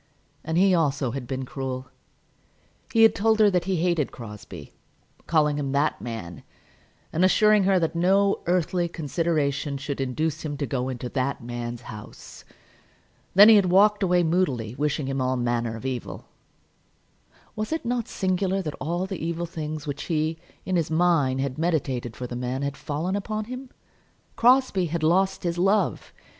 And he also had been cruel. He had told her that he hated Crosbie, calling him "that man," and assuring her that no earthly consideration should induce him to go into "that man's house." Then he had walked away moodily wishing him all manner of evil. Was it not singular that all the evil things which he, in his mind, had meditated for the man, had fallen upon him. Crosbie had lost his love!